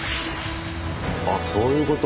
あそういうこと？